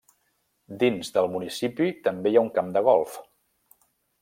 Dins del municipi també hi ha un camp de Golf.